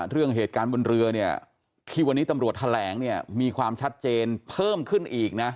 เรื่องเหตุการณ์บนเรือเนี่ยที่วันนี้ตำรวจแถลงเนี่ยมีความชัดเจนเพิ่มขึ้นอีกนะ